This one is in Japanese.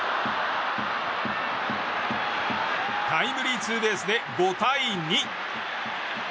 タイムリーツーベースで５対２。